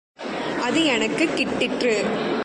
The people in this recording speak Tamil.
அது எனக்குக் கிட்டிற்று.